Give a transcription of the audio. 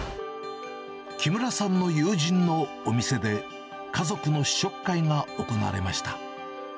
木村さんの友人のお店で、家族の試食会が行われました。